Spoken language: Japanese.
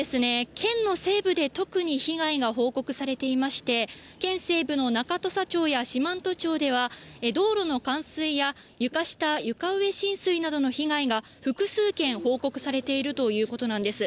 県の西部で特に被害が報告されていまして、県西部の中土佐町や四万十町では、道路の冠水や床下、床上浸水などの被害が複数件報告されているということなんです。